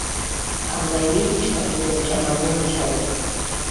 Анна Ильинична тудым чаманен ончале.